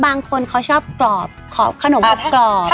บางคนเขาชอบกรอบขอบขนมกรอบ